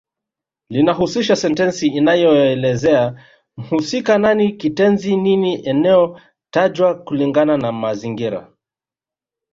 Linahusisha sentensi inayoelezea mhusika nani kitenzi nini eneo tajwa kulingana na mazingira